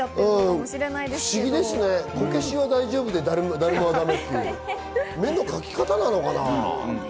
不思議ですね、こけしは大丈夫でダルマはだめって、目の書き方なのかな。